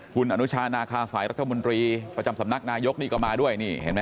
คุณอนุชานาคาศัยรัฐมนตรีประจำสำนักนายุทธ์นี่ก็มาด้วย